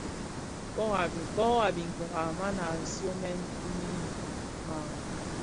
Koro a biňkira, man a siionèn mii maa.